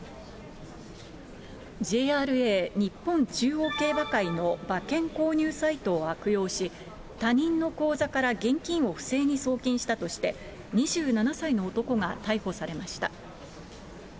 ＪＲＡ・日本中央競馬会の馬券購入サイトを悪用し、他人の口座から現金を不正に送金したとして、２７歳の男が逮捕されました。